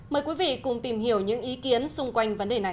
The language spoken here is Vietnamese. mời quý vị cùng tìm hiểu những ý kiến xung quanh vấn đề này